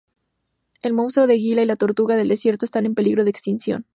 El monstruo de Gila y la tortuga del desierto están en peligro de extinción.